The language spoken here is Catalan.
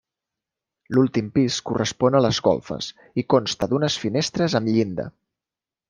L'últim pis correspon a les golfes i consta d'unes finestres amb llinda.